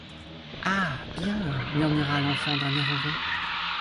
Ah ! bien, murmura l’enfant d’un air heureux.